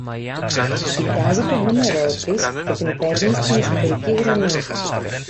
Κοιτάζει το νούμερό της και την παίρνει στην εσωτερική γραμμή